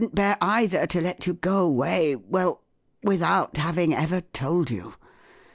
riVv couldn't bear, either, to let you go away—w r ell—without having ever told you.